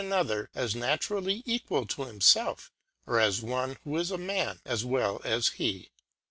N. another^ as naturally equal to himfelf or as one ^ 3 c. 2. who is a Man as well as he.